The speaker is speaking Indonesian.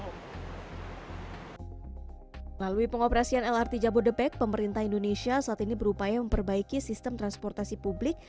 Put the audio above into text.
melalui pengoperasian lrt jabodebek pemerintah indonesia saat ini berupaya memperbaiki sistem transportasi publik